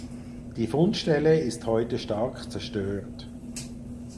Die Fundstelle ist heute stark zerstört.